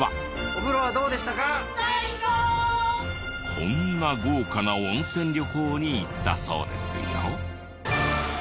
こんな豪華な温泉旅行に行ったそうですよ。